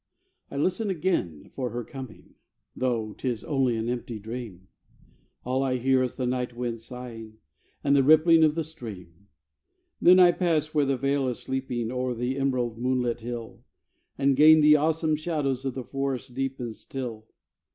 I listen again for her coming, Though 'tis only an empty dream; All I hear is the night wind sighing, And the rippling of the stream. Then I pass where the vale is sleeping, O'er the emerald moonlit hill, And gain the awesome shadows Of the forest deep and still.